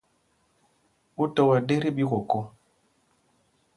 Ú tɔ wɛ́ ɗēk tí ɓīkōkō?